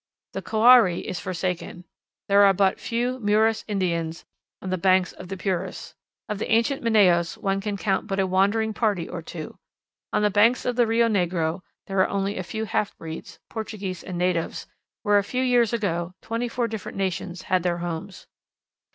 The Coari is forsaken. There are but few Muras Indians on the banks of the Purus. Of the ancient Manaos one can count but a wandering party or two. On the banks of the Rio Negro there are only a few half breeds, Portuguese and natives, where a few years ago twenty four different nations had their homes.